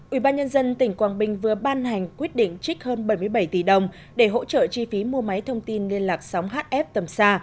ubnd tỉnh quảng bình vừa ban hành quyết định trích hơn bảy mươi bảy tỷ đồng để hỗ trợ chi phí mua máy thông tin liên lạc sóng hf tầm xa